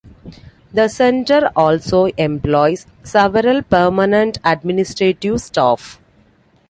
The Centre also employs several permanent administrative staff.